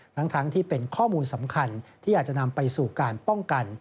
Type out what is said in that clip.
ทั้งที่เป็นข้อมูลสำคัญที่อาจจะนำไปสู่การป้องกัน